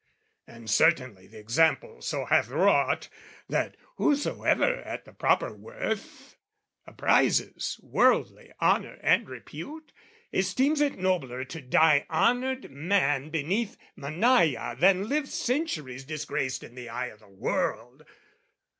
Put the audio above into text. And certainly the example so hath wrought, That whosoever, at the proper worth, Apprises worldly honour and repute, Esteems it nobler to die honoured man Beneath Mannaia, than live centuries Disgraced in the eye o' the world.